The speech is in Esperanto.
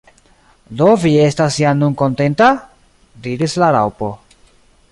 "Do vi estas jam nun kontenta?" diris la Raŭpo.